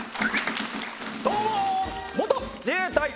どうも！